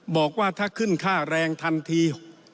บอกว่าถ้าขึ้นค่าแรงทันที